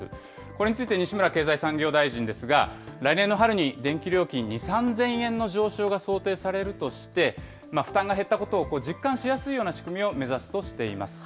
これについて西村経済産業大臣ですが、来年の春に電気料金２、３０００円の上昇が想定されるとして負担が減ったことを実感しやすいような仕組みを目指すとしています。